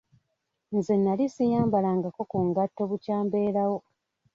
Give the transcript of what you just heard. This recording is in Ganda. Nze nali siyambalangako ku ngatto bukya mbeerawo.